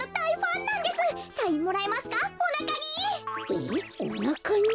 えっおなかに？